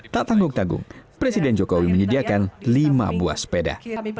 tak tanggung tanggung presiden jokowi menyediakan lima buah sepeda